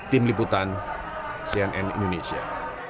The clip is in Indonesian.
tim liputan cnn indonesia